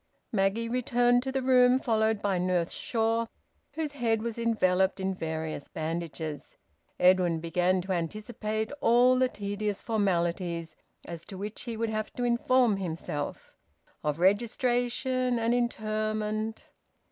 Maggie returned to the room, followed by Nurse Shaw, whose head was enveloped in various bandages. Edwin began to anticipate all the tedious formalities, as to which he would have to inform himself, of registration and interment...